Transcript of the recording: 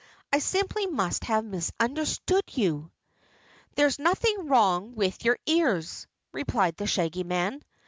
I simply must have misunderstood you." "There's nothing wrong with your ears," replied the Shaggy Man.